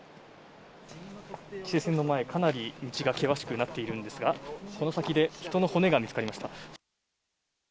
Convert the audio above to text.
規制線の前はかなり道が険しくなっているんですがこの先で人の骨が見つかりました。